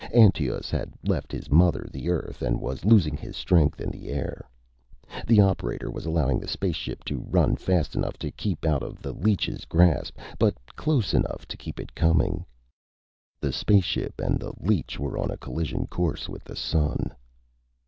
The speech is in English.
Antaeus had left his mother, the Earth, and was losing his strength in the air. The operator was allowing the spaceship to run fast enough to keep out of the leech's grasp, but close enough to keep it coming. The spaceship and the leech were on a collision course with the Sun.